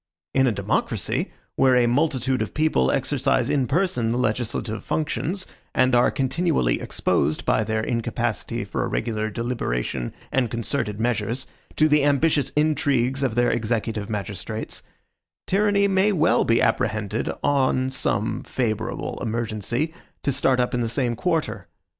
In a democracy, where a multitude of people exercise in person the legislative functions, and are continually exposed, by their incapacity for regular deliberation and concerted measures, to the ambitious intrigues of their executive magistrates, tyranny may well be apprehended, on some favorable emergency, to start up in the same quarter.